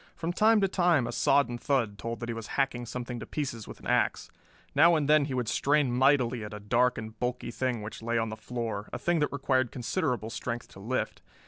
From time to time a sodden thud told that he was hacking something to pieces with an ax. Now and then he would strain mightily at a dark and bulky thing which lay on the floor, a thing that required considerable strength to lift.